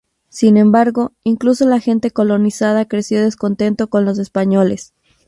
Sin embargo, incluso la gente colonizada creció descontento con los españoles.